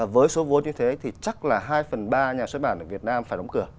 với số vốn như thế thì chắc là hai phần ba nhà xuất bản ở việt nam phải đóng cửa